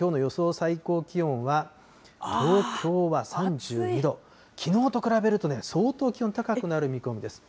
最高気温は、東京は３２度、きのうと比べるとね、相当気温高くなる見込みです。